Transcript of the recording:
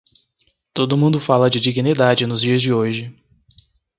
Todo mundo fala de dignidade nos dias de hoje.